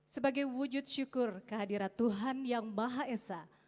sebagai wujud syukur kehadiran tuhan yang maha esa